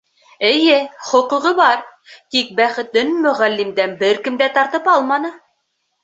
Эйе, хоҡуғы бар, тик бәхетен Мөғәллимдән бер кем дә тартып алманы.